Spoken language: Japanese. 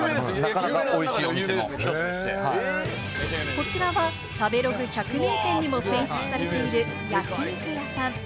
こちらは食べログ百名店にも選出されている焼肉屋さん。